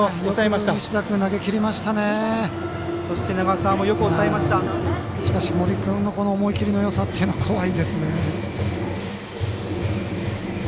しかし森君の思い切りのよさは怖いですね。